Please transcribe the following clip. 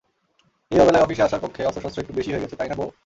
এই অবেলায় অফিসে আসার পক্ষে অস্ত্রশস্ত্র একটু বেশিই হয়ে গেছে, তাই না বোহ?